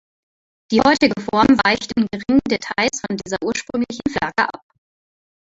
Die heutige Form weicht in geringen Details von dieser ursprünglichen Flagge ab.